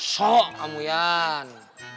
sok kamu ian